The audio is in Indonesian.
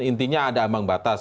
intinya ada ambang batas